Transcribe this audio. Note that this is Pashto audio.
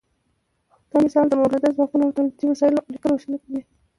دا مثال د مؤلده ځواکونو او تولیدي وسایلو اړیکه روښانه کوي.